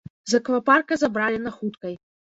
З аквапарка забралі на хуткай.